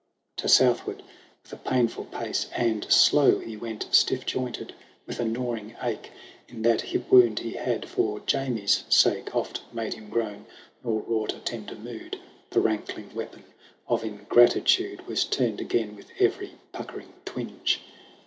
To southward with a painful pace and slow He went stiff jointed ; and a gnawing ache In that hip wound he had for Jamie's sake Oft made him groan nor wrought a tender mood : The rankling weapon of ingratitude Was turned again with every puckering twinge.